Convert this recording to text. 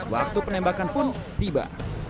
waktu penembakan pun tiba